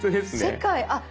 世界あっ！